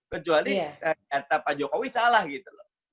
kecuali ternyata pak jokowi salah gitu loh